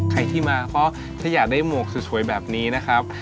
ใครที่มาก็ถ้าอยากได้หมวกสวยแบบนี้นะครับ